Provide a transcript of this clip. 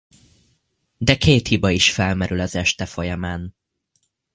De két hiba is felmerül az este folyamán.